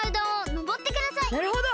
なるほど！